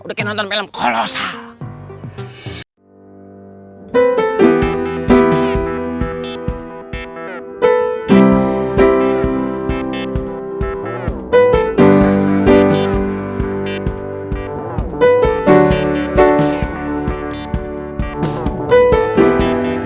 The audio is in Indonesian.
udah kayak nonton film kolosal